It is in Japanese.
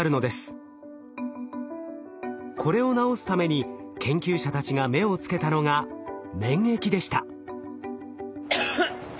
これを治すために研究者たちが目をつけたのが免疫でした。